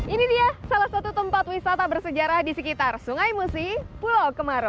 ini dia salah satu tempat wisata bersejarah di sekitar sungai musi pulau kemaro